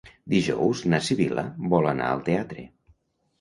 Dijous na Sibil·la vol anar al teatre.